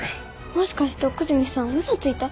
もしかして奥泉さんウソついた？